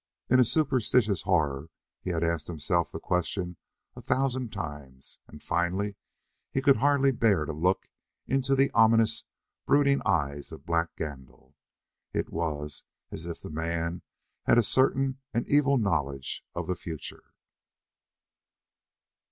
In a superstitious horror he had asked himself the question a thousand times, and finally he could hardly bear to look into the ominous, brooding eyes of Black Gandil. It was as if the man had a certain and evil knowledge of the future.